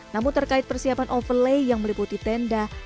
namun terkait persiapan overlay yang meliputi tenda